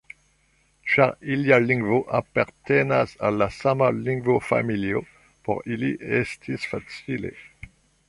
Ĉar ilia lingvo apartenas al la sama lingvofamilio, por ili estis facile.